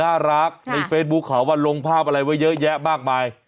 น่ารักในเฟซบุ๊คเขาว่าลงภาพอะไรไว้เยอะแยะมากมาย